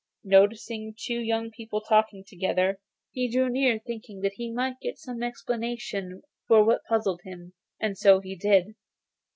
Noticing two young people talking together, he drew near thinking that he might get some explanation of what puzzled him. And so he did.